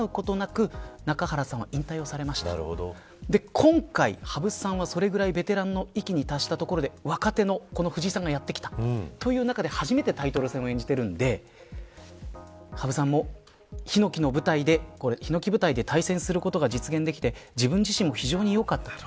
今回、羽生さんはそれぐらいベテランの域に達したところで若手の藤井さんがやって来た。という中で、初めてタイトル戦を演じているので羽生さんもひのき舞台で対戦することが実現できて自分自身も非常によかったと。